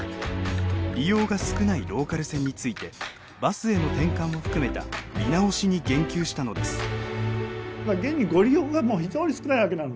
利用が少ないローカル線についてバスへの転換を含めた見直しに言及したのです。